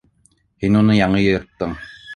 Һин уны яңы йырттың!